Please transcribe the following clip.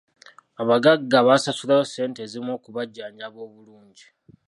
Abagagga basasulayo ssente ezimu okubajjanjaba obulungi.